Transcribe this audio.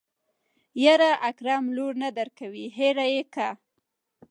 يره اکرم لور نه درکوي هېره يې که.